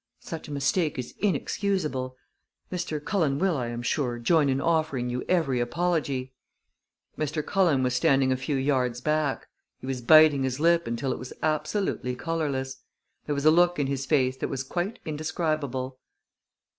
Such a mistake is inexcusable. Mr. Cullen will, I am sure, join in offering you every apology." Mr. Cullen was standing a few yards back. He was biting his lip until it was absolutely colorless. There was a look in his face that was quite indescribable.